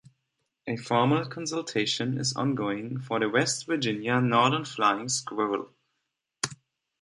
A formal consultation is ongoing for the West Virginia northern flying squirrel.